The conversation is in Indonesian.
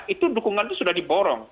itu dukungan itu sudah diborong